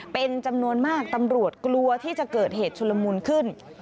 เป็นจำนวนมากตำรวจกลัวที่จะเกิดเหตุชุลมุนขึ้น